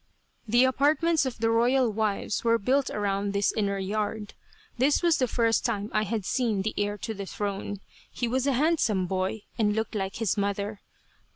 The apartments of the royal wives were built around this inner yard. This was the first time I had seen the heir to the throne. He was a handsome boy, and looked like his mother.